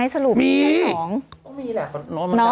สนุกจริง